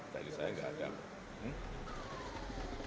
tadi saya tidak ada